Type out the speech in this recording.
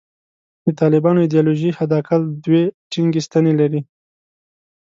د طالبانو ایدیالوژي حد اقل دوې ټینګې ستنې لري.